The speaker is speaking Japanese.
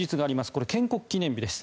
これ、建国記念日です。